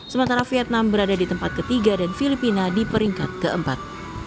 sementara vietnam berada di tempat ketiga dan filipina di peringkat keempat